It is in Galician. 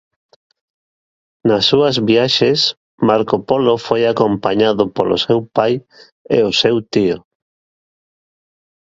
Nas súas viaxes Marco Polo foi acompañado polo seu pai e o seu tío.